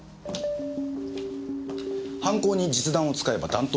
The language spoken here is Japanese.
犯行に実弾を使えば弾頭が残る。